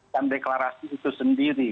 dan deklarasi itu sendiri